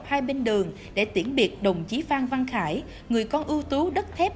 hai bên đường để tiễn biệt đồng chí phan văn khải người con ưu tú đất thép